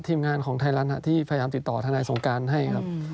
ทีมงานของไทยรัฐที่พยายามติดต่อทนายสงการให้ครับ